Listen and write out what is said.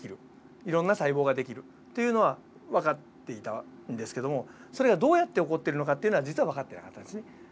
いろんな細胞ができるっていうのは分かっていたんですけどもそれがどうやって起こっているのかっていうのは実は分かってなかったんですね。